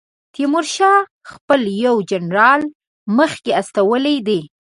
تیمورشاه خپل یو جنرال مخکې استولی دی.